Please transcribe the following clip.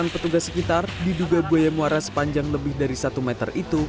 sembilan petugas sekitar diduga buaya muara sepanjang lebih dari satu meter itu